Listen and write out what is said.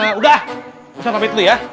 yaudah habis habis pomi dulu ya